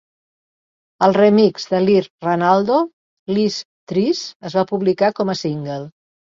El remix de Lee Ranaldo, "Lee's Trees", es va publicar com a single.